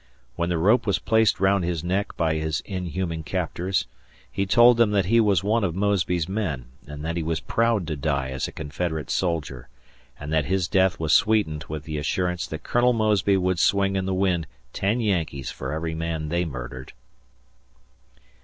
When the rope was placed around his neck by his inhuman captors, he told them that he was one of Mosby's men, and that he was proud to die as a Confederate soldier, and that his death was sweetened with the assurance that Colonel Mosby would swing in the wind ten Yankees for every man they murdered.